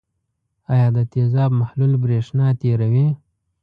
آیا د تیزاب محلول برېښنا تیروي؟